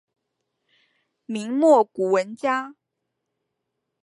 明末古文家。